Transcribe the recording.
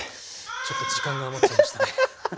ちょっと時間が余っちゃいましたね。